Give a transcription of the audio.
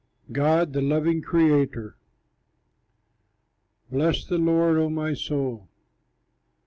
GOD THE LOVING CREATOR Bless the Lord, O my soul!